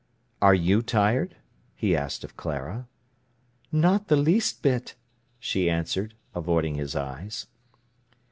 "Are you tired?" he asked of Clara. "Not the least bit," she answered, avoiding his eyes.